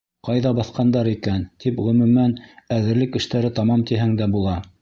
Ҡайҙа баҫҡандар икән, тип Ғөмүмән, әҙерлек эштәре тамам тиһәң дә була.